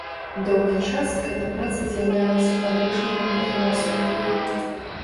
Доўгі час гэта праца з'яўлялася падручнікам па філасофіі.